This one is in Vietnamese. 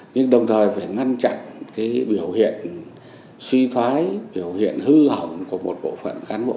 nhưng đồng thời phải ngăn chặn cái biểu hiện suy thoái biểu hiện hư hỏng của một bộ phận cán bộ